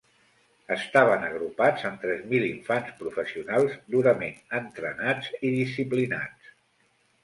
Estaven agrupats en tres mil infants professionals, durament entrenats i disciplinats.